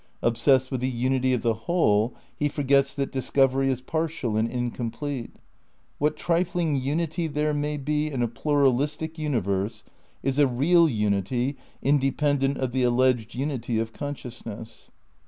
Obsessed with the unity of the Whole he forgets that discovery is partial and incomplete. "What trifling unity there may be in a pluralistic universe is a real unity independent of the alleged unity of consciousness.